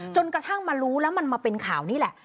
จนกระทั่งมารู้แล้วมันมาเป็นข่าวนี่แหละ